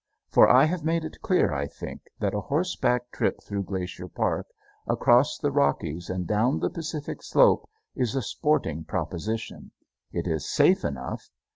For I have made it clear, I think, that a horseback trip through Glacier Park, across the Rockies, and down the Pacific Slope, is a sporting proposition. It is safe enough.